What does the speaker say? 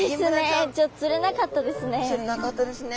ちょっと釣れなかったですね。